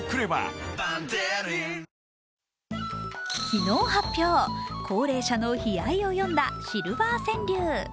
昨日発表、高齢者の悲哀を詠んだシルバー川柳。